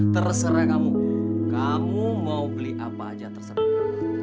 terserah kamu kamu mau beli apa aja terserah